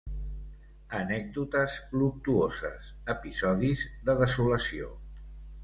Anècdotes luctuoses, episodis de desolació